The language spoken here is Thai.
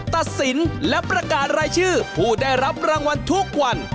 ตัดสินและประกาศรายชื่อผู้ได้รับรางวัลทุกวัน